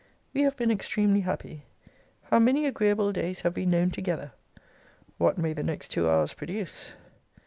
We have been extremely happy. How many agreeable days have we known together! What may the next two hours produce.